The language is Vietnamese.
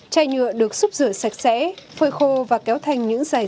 chai nhựa được xúc rửa sạch sẽ phôi khô và kéo thành những rạng